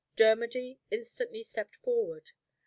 Dermody instantly stepped forward.